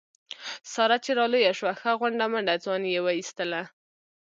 ساره چې را لویه شوله ښه غونډه منډه ځواني یې و ایستله.